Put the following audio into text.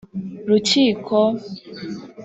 rukiko,